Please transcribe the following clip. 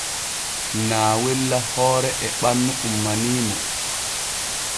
Naawella hoore e ɓannu ummanii mo.